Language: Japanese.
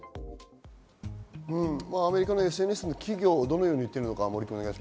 アメリカのＳＮＳ、企業、どのように言っていますか？